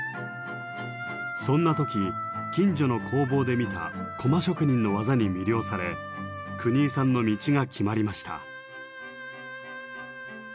そんな時近所の工房で見た駒職人の技に魅了され國井さんの道が決まりました。